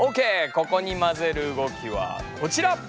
ここにまぜる動きはこちら！